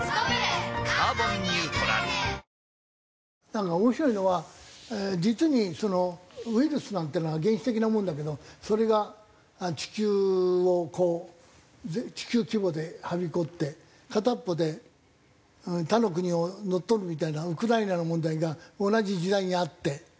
なんか面白いのは実にそのウイルスなんてのは原始的なものだけどそれが地球をこう地球規模ではびこって片方で他の国を乗っ取るみたいなウクライナの問題が同じ時代にあって。